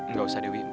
gak usah dewi